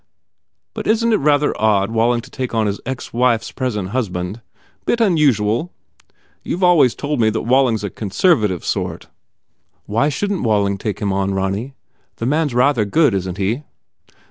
"But isn t it rather odd for Walling to take on his ex wife s present husband? Bit unusual? You ve always told me that Walling s a conserva tive sort." "Why shouldn t Walling take him on, Ronny? The man s rather good, isn t he?"